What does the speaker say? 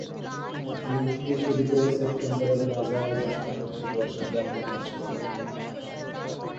June থেকে শুরু করে সেপ্টেম্বরের মাঝামাঝি সময়ে বর্ষাকাল বিরাজ করে।